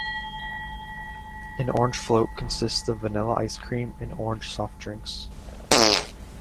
An orange float consists of vanilla ice cream and orange soft drinks.